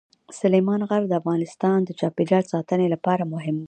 سلیمان غر د افغانستان د چاپیریال ساتنې لپاره مهم دي.